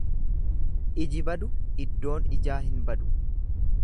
iji badu iddoon ijaa hin badu.